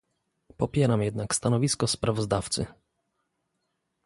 Popieram jednak stanowisko sprawozdawcy